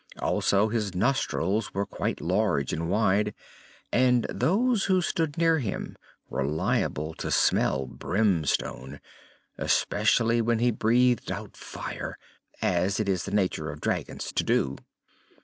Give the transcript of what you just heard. Also his nostrils were quite large and wide, and those who stood near him were liable to smell brimstone especially when he breathed out fire, as it is the nature of dragons to do.